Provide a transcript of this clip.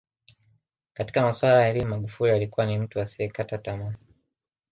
Katika masuala ya elimu Magufuli alikuwa ni mtu asiyekata tamaa